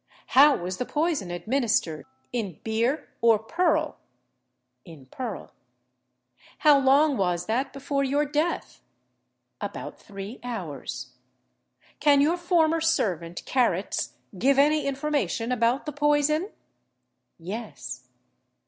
"How was the poison administered, in beer or purl?" "In purl." "How long was that before your death?" "About three hours." "Can your former servant, Carrots, give any information about the poison?" "Yes."